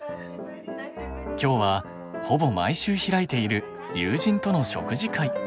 今日はほぼ毎週開いている友人との食事会。